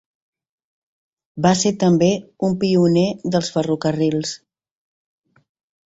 Va ser també un pioner dels ferrocarrils.